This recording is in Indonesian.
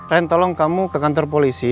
ren tolong kamu ke kantor polisi